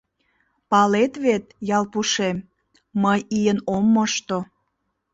— Палет вет, Ялпушем, мый ийын ом мошто.